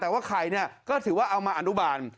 แต่ว่าไข่เนี่ยก็ถือว่าเอามาอนุบาล